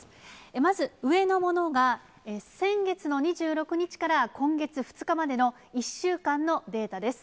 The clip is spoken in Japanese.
まず上のものが、先月の２６日から今月２日までの１週間のデータです。